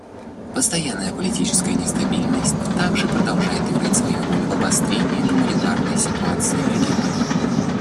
Постоянная политическая нестабильность также продолжает играть свою роль в обострении гуманитарной ситуации в регионе.